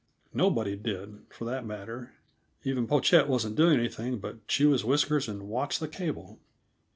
Nobody did, for that matter. Even Pochette wasn't doing anything but chew his whiskers and watch the cable.